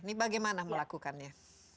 ini bagaimana melakukannya